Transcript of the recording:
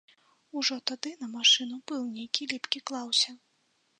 Ужо тады на машыну пыл нейкі ліпкі клаўся.